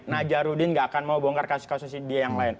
najarudin gak akan mau bongkar kasus kasus dia yang lain